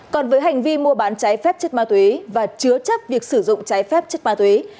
còn với hành vi mua bán trái phép chất ma túy và chứa chấp việc sử dụng trái phép chất ma túy